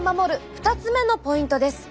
２つ目のポイントです。